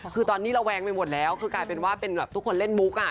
คือตอนนี้ระแวงไปหมดแล้วคือกลายเป็นว่าเป็นแบบทุกคนเล่นมุกอ่ะ